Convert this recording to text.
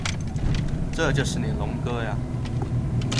这就是你龙哥呀